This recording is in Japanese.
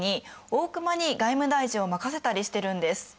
大隈に外務大臣を任せたりしてるんです。